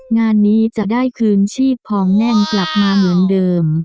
งานนี้จะได้คืนชีพพองแน่นกลับมาเหมือนเดิม